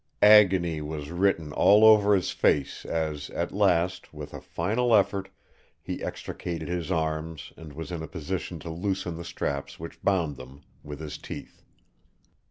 Agony was written all over his face as at last with a final effort he extricated his arms and was in a position to loosen the straps which bound them, with his teeth.